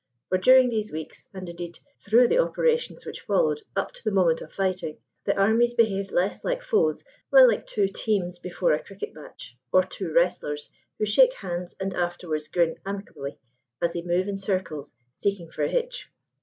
For during these weeks, and indeed through the operations which followed up to the moment of fighting, the armies behaved less like foes than like two teams before a cricket match, or two wrestlers who shake hands and afterwards grin amicably as they move in circles seeking for a hitch.